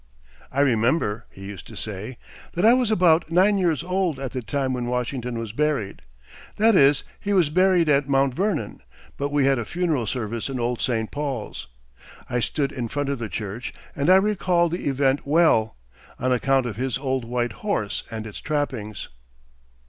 "I remember," he used to say, "that I was about nine years old at the time when Washington was buried. That is, he was buried at Mount Vernon; but we had a funeral service in old St. Paul's. I stood in front of the church, and I recall the event well, on account of his old white horse and its trappings."